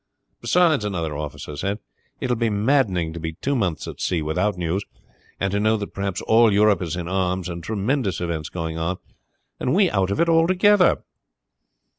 "Beside," another officer said, "it will be maddening to be two months at sea without news, and to know that perhaps all Europe is in arms and tremendous events going on and we out of it altogether."